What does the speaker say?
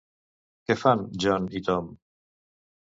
Què fan John i Tom?